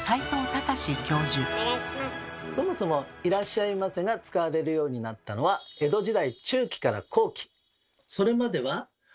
そもそも「いらっしゃいませ」が使われるようになったのは江戸時代中期から後期。という